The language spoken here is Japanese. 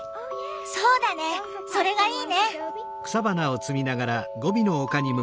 そうだねそれがいいね！